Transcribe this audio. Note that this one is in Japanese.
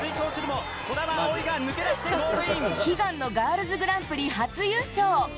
悲願のガールズグランプリ初優勝。